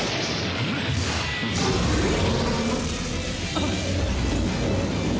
あっ！